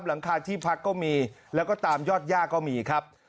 หลังคาที่พักก็มีแล้วก็ตามยอดย่าก็มีครับ